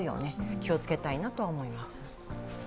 気を付けたいなとは思います。